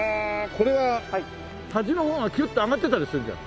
これは端の方がキュッて上がってたりするじゃん。